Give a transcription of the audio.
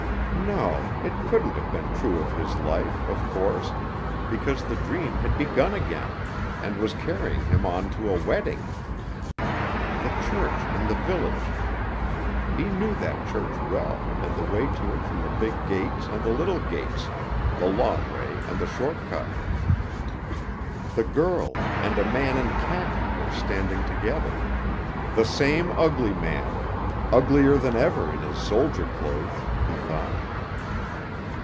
No, it couldn't have been true of his life, of course, because the dream had begun again, and was carrying him on to a wedding. The church in the village ... (he knew that church well, and the way to it from the big gates and the little gates; the long way and the short cut) ... The girl, and a man in khaki were standing together ... the same ugly man, uglier than ever in his soldier clothes, he thought.